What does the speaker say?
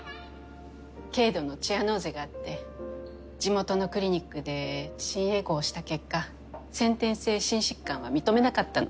軽度のチアノーゼがあって地元のクリニックで心エコーをした結果先天性心疾患は認めなかったの。